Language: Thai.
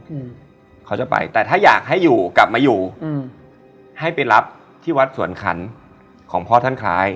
อืมเขาจะไปแต่ถ้าอยากให้อยู่กลับมาอยู่อืมให้ไปรับที่วัดสวนขันของพ่อท่านคล้าย